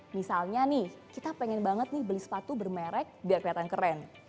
misalnya nih kita pengen banget nih beli sepatu bermerek biar kelihatan keren